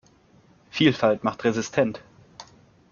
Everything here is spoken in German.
Vielfalt macht resistent.